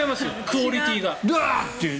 クオリティーが。